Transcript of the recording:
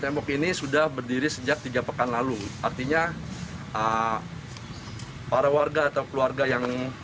tembok ini sudah berdiri sejak tiga pekan lalu artinya para warga atau keluarga yang